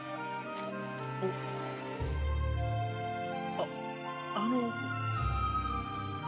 ああの。